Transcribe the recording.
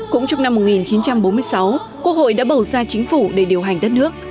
cũng trong năm một nghìn chín trăm bốn mươi sáu quốc hội đã bầu ra chính phủ để điều hành đất nước